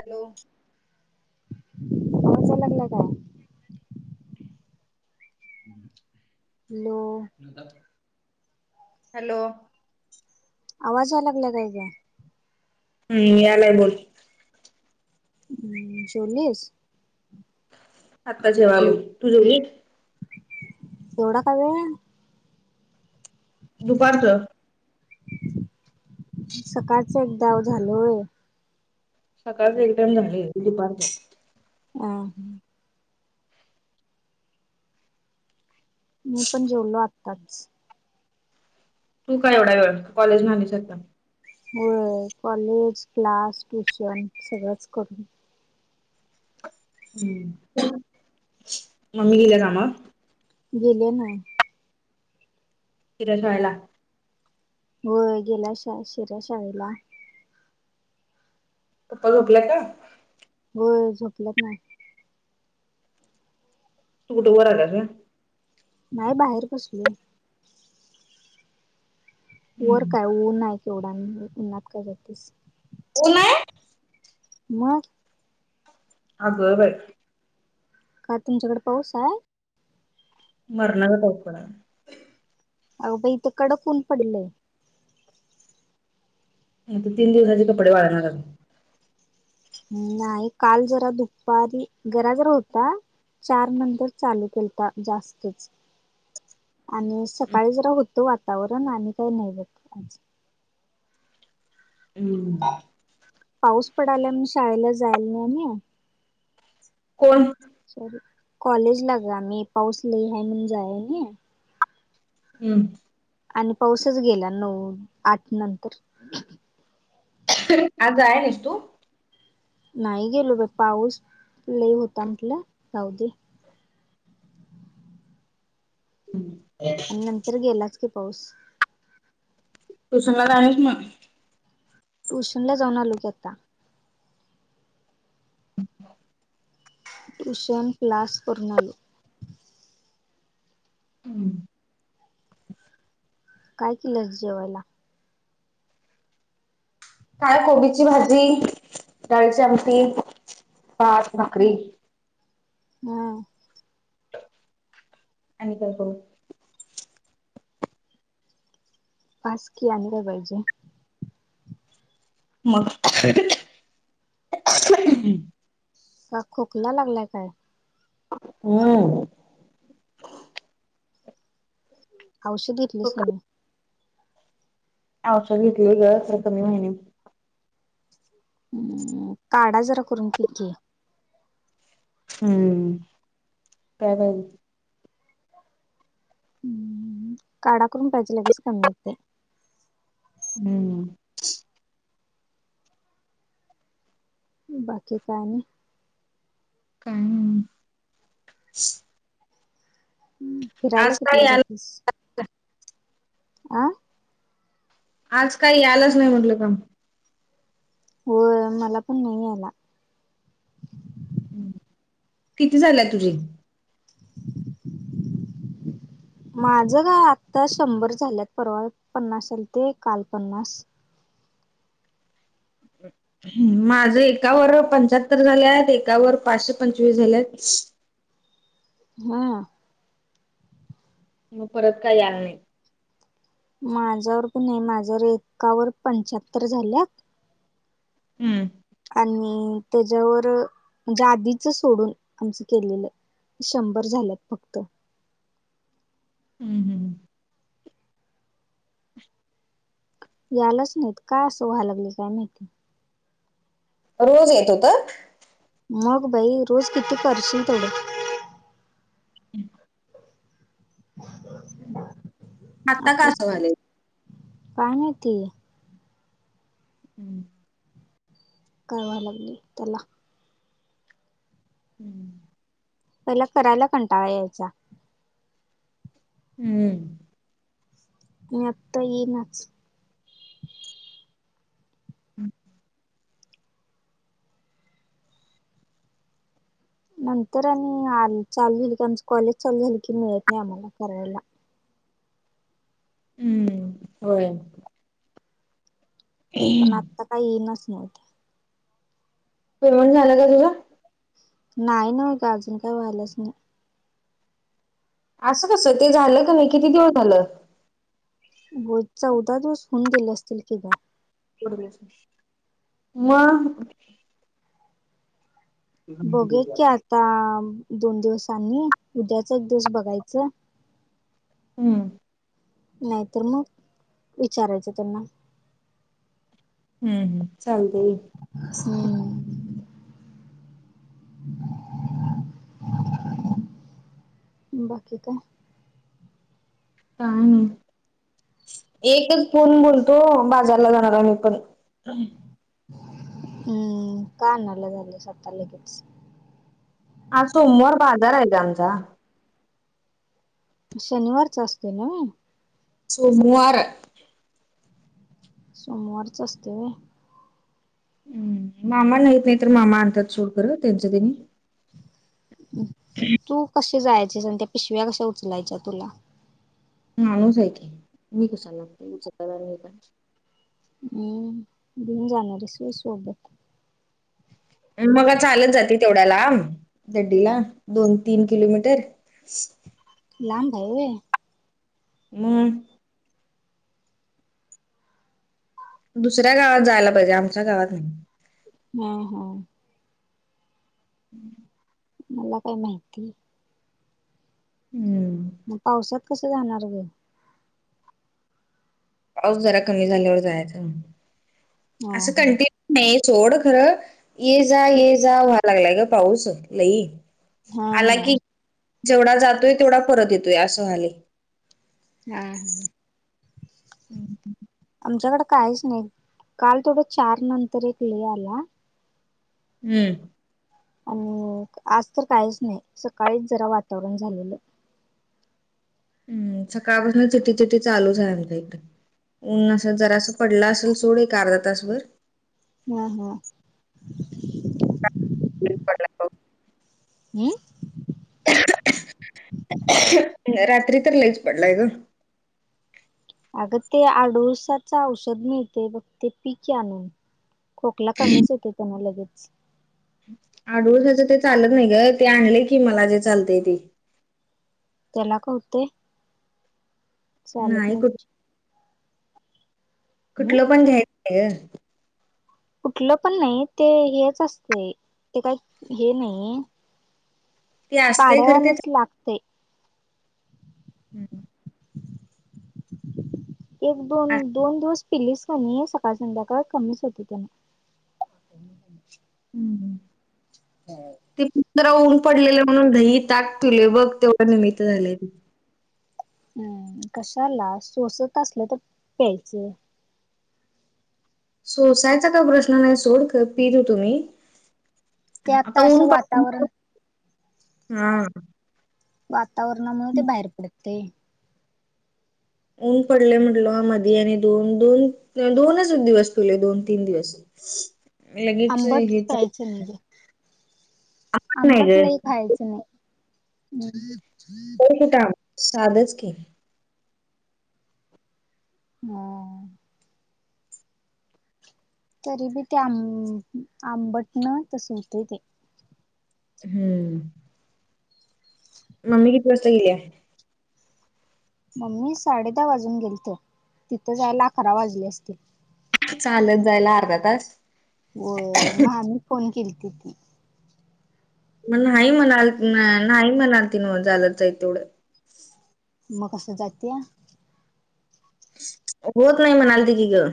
Hello [unintelligible] hello. Hello. आवाज यायलागलिय का ग. हम्म यालाय बोल. हम्म जेवलीस? आता जेवाली तू जेवली? एवढा का वेळ? दुपारचं. सकाळच एकदा झाल होय. सकाळच एक टाईम झाले दुपारच. हम्म. मी पण जेवलो आत्ताच. तू का एवढा वेळ कॉलेजला न जाता. होय कॉलेज क्लास ट्युशन सगळंच करतो. हम्म मम्मी गेली कामावर? गेली ना. तिला जायला हो गेल्या शिऱ्या शाळेला. प झोपलाय का? हो झोपलंत नाही. तू उठायचं ना. नाही बाहेर बसलो. वर हम्म काय ऊन आहे केवढा उन्हात काय जातस. ऊन आहे? मग आग बाई. काय तुमच्याकडे पाऊस आहे? मरण चा पाऊस पडला. होऊ काय इथ कडक ऊन पडल. तीन दिवसाचे कपडे वाळणार. ह् नाही काल जरा दुपारी जरा जरा होता. चार नंतर चालू केलता जास्तीत आणि सकाळी जरा होतो वातावरण आणि काही नाही भट. हम्म. पाऊस पडाला म्हण शाळेला जायला नाही. कोण? सॉरी कॉलेज ला ग आम्ही पाऊस ल आहे म्हणून जायल ना. हम्म. आणि पाऊसच गेला नऊ आठ नंतर. आज आहे ना तू? नाही गेलो बाई पाऊस लई होता म्हटलं जाऊदे. हम् [unintelligible] आणि नंतर गेलाच की पाऊस तू शनिवारी आहेस ना ट्युशन ला जाऊन आलो की आता. ह [unintelligible] ट्यूशन क्लास करून आलो. हम्म काय केलंस जेवायला? काय कोबीची भाजी डाळीची आमटी भात भाकरी. हम्म नंतर बघू. बस की आणख पाहिजे. मग [inaudible] का खोकला लागलाय काय व्हय औषध घेतलीस की नाही औषर घेतली हो ग तरी कमी होईना. हम् काढा जरा करून पिकी हम्म काय बाई हम्म काढा करून प्यायचा लगेच कमी होते. हम्म बाकी काय नाही. काय ना फिरायला आज काय कितीला याल जातीस अ. आज काही आलच नाही म्हटलं काम. होय मला पण नाही आला. किती झालंय तुझी [unintelligible] माझं ग आत्ता शंभर झाल्यात परवा पन्नास आलते काल पन्नास माझं एकावर पंचाहत्तर झाले आहेत एकावर पाचशे पंचवीस झाले आहेत हा मग परत काय आलं नाही. माझ्यावर की नाही माझ्यावर एकावर पंच्याहत्तर झाल्या हम्म. म त्याच्यावर म्हणजे आधीच सोडून मीच केलेलं. शंभर झाल्यात फक्त. हम्म हम्. यालाच नाहीत का असं व्हायला लागलं काय माहित. रोज येत होतं. मग बाई रोज किती करशील थोडे. [unintelligible] आता आत्ताच असं का [unintelligible] व्हायलय काय माहिती हम्म. करावा लागली त्याला हम्म. पहिला करायला कंटाळा यायचा. हम्म. मी आता येई नाच. नंतर आणि आ चालू आमच कॉलेज चालू झाली की मिळत नाही आम्हाला करायला. हम्म होय. पण आता काही येईनच नाही पेमेंट झालं का तुझा. नाही ना ग अजून काय व्हालाच नाही असं कसं ते झालं का नाही किती दिऊन झालं चौदा दिवस होऊन गेले असतील की ग म बघूयात की हम्म आता दोन दिवसांनी उद्याच दिवस बघायचं हम्म. नाहीतर मग विचारायचं त्यांना. हम्म हम् चालत. हम्म [unintelligible] [inaudible] बाकी काय काय नाही एकच फोन बोलतो बाजारला जाणारा मी पण हम्म का आणला झालं स्वतः ले कीटच हा सोमवार बाजार आहेहिचा आमचा शनिवारच असतोय ना मी सोमवार सोमवारच असते व हम् मामा नाहीत नाही तर मामा आणतात सोड कर त्यांच त्यांनी तू कसे जायचेस त्या्या पिशव्या कशा उचलायच्या तुला मालूच ऐके मी कसा लागते विच क का हम्म घेऊन जाणार आहे सु सोबत.. मग काय चालत जाते तेवढ्या लाम. गुड्डी ला दोन तीन किलोमीटर लाब हाय व्हय. म दुसऱ्या गावात जायला पाहिजे आमच्या गावात नाहय. हा हा. हं मला काय माहिती, हम्म मग पावसात कसं जाणार ग. पाऊस जरा कमी झाल्यावर जायच हा असं कंटिन्यू नाही सोड खरं ये जा ये जा व्हाय लागलाय ग पाऊस लई. हा हा आला हा की जेवढा जातोय तेवढा परत येतोय असं व्हायलय. हा हम. हम् आमच्याकड काहीच नाही काल थोडं चार नंतर एक ले आल्या. हम्म आणि आज तर काहीच नाही सकाळीच जरा वातावरण झालेलं. हम् सकाळपासून चिटी चिटी चालूच हाय आमच हित. ऊन असं जरा असं पडलं असेल सोड एक अर्धा तास भर. हम हा हम रात्री तर लईच पडलाय ग. अगं ते आडूळशाच औषध मिळतय बघ ते पी की आणून, खोकला कमीच होतोय त्यान लगेच. आडूळशाचं ते चालत नाही ग ते आणलय की मला जे चालतय ते. त्याला क हुतंय. चालत नाही नाय. कुठ हम्म कुठलं पण घ्यायच ग. कुठलं पण नाही ते हेच असतय ते काय हे नाही. ते असतंय पाडा खरं ते वाणीच लागतय. हम्म. एक दोन दोन दिवस पिलीच का नाही सकाळ संध्याकाळ कमीच होतय त्यान. हम् हम् हो ते जरा ऊन पडलेले म्हणून दही ताक पिलोय बघ तेवढ निमित्त झालय ते. हम्म कशाला सोसत असलं तर प्यायच. सोसायचा काय प्रश्न नाही सोड खर पित हुतो मी, ते आता असं वातावरण हम्. वातावरणामुळे ते बाहेर पडतय. ऊन पडलय म्हडल मधी आणि दोन दोन दोनच दिवस पीलोय दोन तीन दिवस. ह [unintelligible] आंबट प्यायचं नाही ग नाही आंबट ग लय खायच. च नाही. ते कूट आलं साधच केली. हम तरी बी ते आं आंबटण तस हुतंय ते. हम्म. मममी किती वाजता गील्या. मम्मी साडे दहा वाजून गेल तर तिथं जायला अकरा वाजले असतील. चालत जायला अर्धा तास. हो मग ममी फोन केलीती की. मग नाही म्हणा नाही म्हणातील ना चालंत जायच तेवढं. मग कसं जातया. होत नाही म्हणाल त की ग.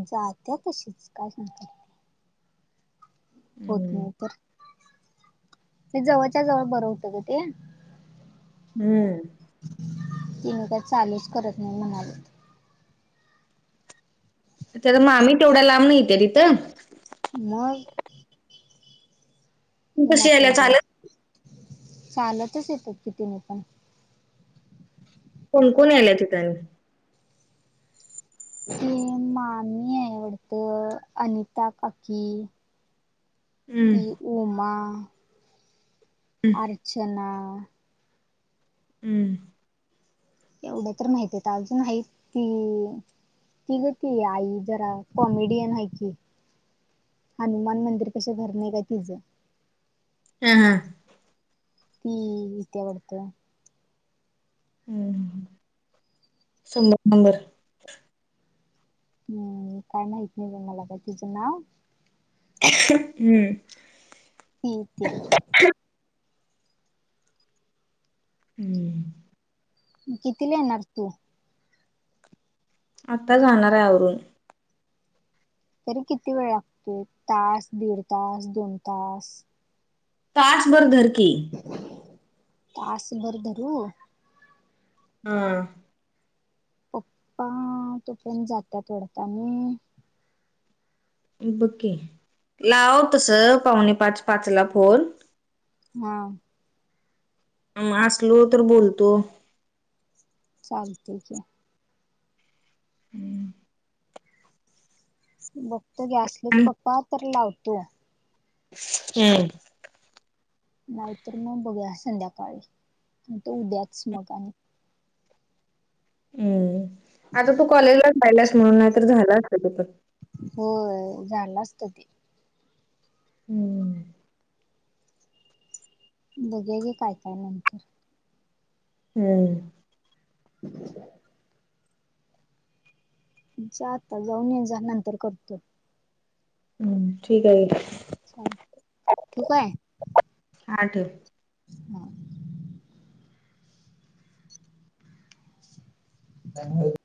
जात्या तशीच काय नकार. होत नाही तर म जवळच्या जवळ बरं होत ग ते. हम्म. ति मी काय चालूच करत नाही म्हणाले. त्या मामी तेवढा लांबन इत्या तिथं. मग. तू कशी मनाात्र यायला बाई चालत चालतच येतात कितीने पण. कोणकण याल्या तिथनी. ते मामी आहे आवडतं अनिता काकी. हम्म ती उमा हम्म अर्चना, हम्म. एवढं तर माहिती अजून हाय ती. ति ग ती आई जरा कॉमेडियन आहे ती. हनुमान मंदिर पशी घर नाही का तिचं. हम हम. ती यीत्या वाढत. ह् सबर नंबर. हम् काय माहीत नाही ब मला काय तिचं नाव. हम्म. प्रत [unintelligible] हम्म. कितीला येणार तू. आता जाणार हाय आवरून. तरी किती वेळ लागतो तास दीड तास दोन तास तचभर धरकी पाास बरदर हम् पप्पा तुपन जातात वाढत आणि, बकी लाव तस पाहुणे पाच पाच ला फोन. हा. असलो तर बोलतो. चलतय की. आणि [unintelligible] बघतो गॅसलेत पप्पा तर लावतो हम्म नाहीतर मग बघू संध्याकाळी आणि तो उद्याच मग आणि हम्म आता तू कॉलेजलाच राहिलास म्हणून नाहीतर झालं असत तेपर हो झालं असत ते हम्म बघे गे काय काय नंतर हम्म ह जात जाऊन ये जा नंतर करतो हम्म ठीक आहे. काय? हा ठेव. हम ह